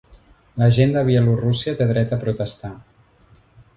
La gent de Bielorússia té dret a protestar.